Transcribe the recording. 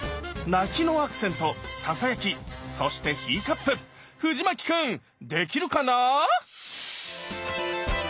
泣きのアクセントささやきそしてヒーカップ藤牧君できるかな？